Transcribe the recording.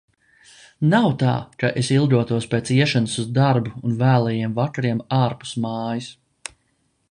Nav tā, ka es ilgotos pēc iešanas uz darbu un vēlajiem vakariem ārpus mājas.